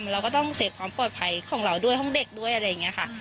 เราก็ต้องเสียความปลอดภัยของเราด้วยห้องเด็กด้วยอะไรอย่างนี้ค่ะ